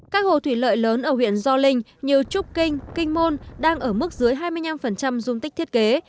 các hồ thủy lợi lớn ở huyện gio linh như trúc kinh kinh môn đang ở mức dưới hai mươi năm dung tích thiết kế